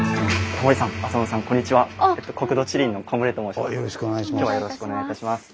今日はよろしくお願いいたします。